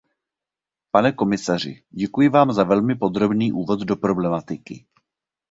Pane komisaři, děkuji vám za velmi podrobný úvod do problematiky.